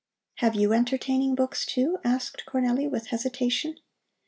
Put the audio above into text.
"Have you entertaining books, too?" asked Cornelli with hesitation.